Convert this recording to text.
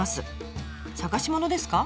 探し物ですか？